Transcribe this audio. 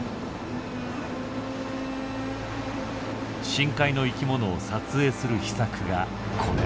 深海の生きものを撮影する秘策がこれ。